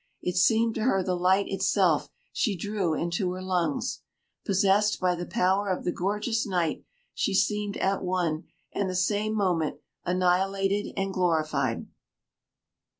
It seemed to her the light itself she drew into her lungs. Possessed by the power of the gorgeous night, she seemed at one and the same moment annihilated and glorified.